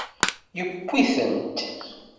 Yewwi-tent.